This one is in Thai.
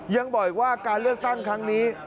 ยังบอกอีกว่าการเลือกตั้งครั้งนี้